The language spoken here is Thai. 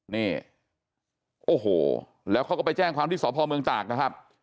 นี่โอ้โหแล้วเขาก็ไปแจ้งความที่สพเมืองตากนะครับ